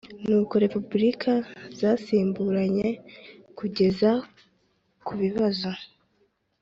n'uko repubulika zasimburanye kugeza ku bibazo